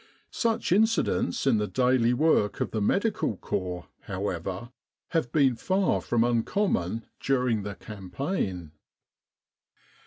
Such incidents in the daily work of the Medical Corps, however, have been far from un common during the Campaign.